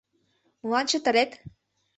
Молан чытырет?